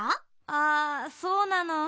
あそうなの。